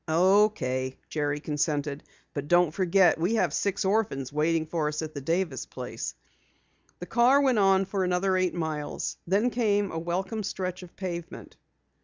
"Okay," Jerry consented, "but don't forget we have six orphans waiting for us at the Davis place." The car went on for another eight miles. Then came a welcome stretch of pavement.